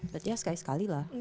berarti ya sekali sekalilah